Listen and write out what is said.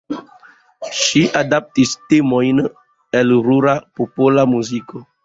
Ŝi adaptis temojn el rura popola muziko.